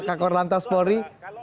kak korlantas polri